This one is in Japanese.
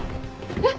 えっ？